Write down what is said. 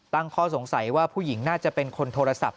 ตั้งข้อสงสัยว่าผู้หญิงน่าจะเป็นคนโทรศัพท์